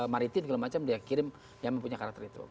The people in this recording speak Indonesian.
maritim segala macam dia kirim yang mempunyai karakter itu